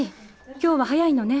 今日は早いのね。